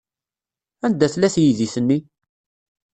Anda tella teydit-nni?